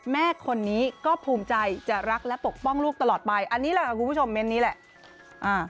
แม่คนนี้ก็ภูมิใจจะรักและปกป้องลูกตลอดไปอันนี้แหละค่ะคุณผู้ชมเมนต์นี้แหละ